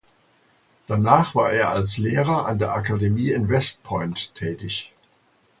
Danach war er als Lehrer an der Akademie in West Point tätig.